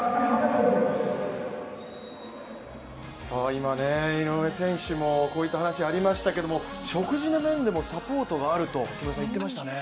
今、井上選手もこういった話がありましたけど、食事の面でもサポートがあると言っていましたね。